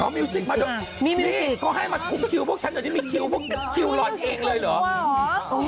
อ๋อมิวสิกมากกว่านี่ก็ให้มันคุกคิวพวกฉันแต่ที่มีคิวพวกคิวร้อนเองเลยเหรอ